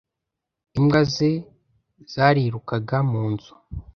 Imbwa ze zarirukaga mu nzu.